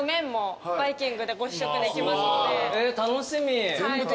楽しみ。